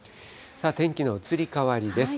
天気の移り変わりです。